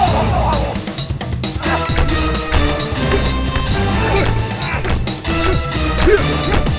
seharusnya gak usah kayak gini dan